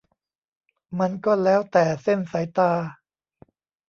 มันก็แล้วแต่เส้นสายตา